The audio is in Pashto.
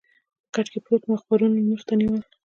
په کټ کې پروت وم او اخبارونه مې مخې ته ونیول.